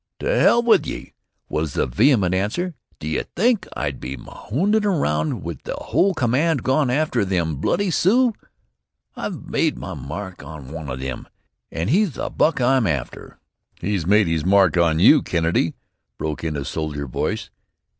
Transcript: "To hell wid ye!" was the vehement answer. "D'ye think I'd be maundherin' here wid the whole command gone on afther thim bloody Sioux. I've made my mark on wan o' thim, an' he's the buck I'm afther." "He's made his mark on you, Kennedy," broke in a soldier voice.